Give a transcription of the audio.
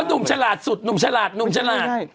หนุ่มฉลาดสุดหนุ่มฉลาดหนุ่มฉลาด